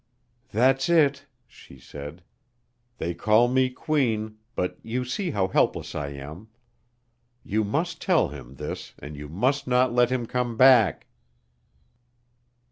"That's it," she said. "They call me Queen, but you see how helpless I am. You must tell him this and you must not let him come back."